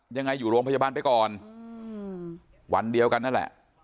อยู่โรงพยาบาลไปก่อนวันเดียวกันนั่นแหละ